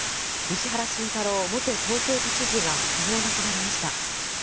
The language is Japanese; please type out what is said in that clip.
石原慎太郎元東京都知事が昨日、亡くなりました。